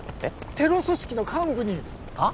テロ組織の幹部にはっ？